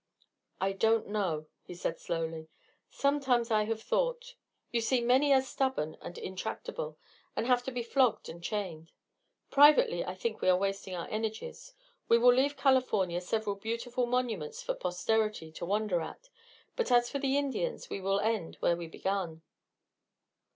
"I don't know," he said slowly. "Sometimes I have thought you see, many are stubborn and intractable, and have to be flogged and chained. Privately I think we are wasting our energies. We will leave California several beautiful monuments for posterity to wonder at, but as for the Indians we will end where we began.